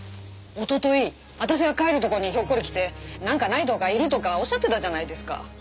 一昨日私が帰るとこにひょっこり来てなんかないとかいるとかおっしゃってたじゃないですか。